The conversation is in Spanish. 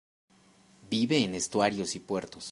Vive en estuarios y puertos.